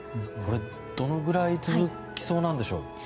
どのぐらい続きそうなんでしょうか。